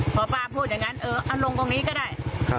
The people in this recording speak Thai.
พอป้าพูดอย่างนั้นเออเอาลงตรงนี้ก็ได้